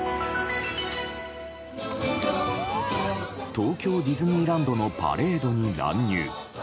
東京ディズニーランドのパレードに乱入。